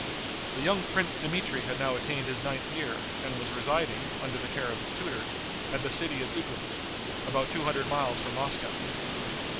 The young prince Dmitri had now attained his ninth year, and was residing, under the care of his tutors, at the city of Uglitz, about two hundred miles from Moscow.